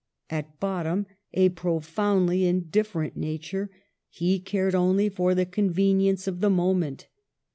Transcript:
At bottom a profoundly in different nature, he cared only for the conven ience of the moment.